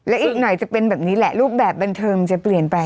และอีกหน่อยจะเป็นแบบนี้แหละรูปแบบบันเทิงมันจะเปลี่ยนไป